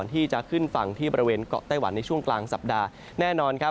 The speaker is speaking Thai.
ที่จะขึ้นฝั่งที่บริเวณเกาะไต้หวันในช่วงกลางสัปดาห์แน่นอนครับ